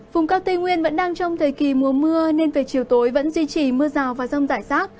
vùng cao tây nguyên vẫn đang trong thời kỳ mùa mưa nên về chiều tối vẫn duy trì mưa rào và rông rải rác